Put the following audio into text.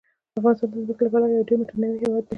افغانستان د ځمکه له پلوه یو ډېر متنوع هېواد دی.